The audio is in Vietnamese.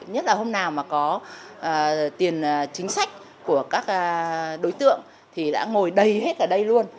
nhất là hôm nào mà có tiền chính sách của các đối tượng thì đã ngồi đầy hết ở đây luôn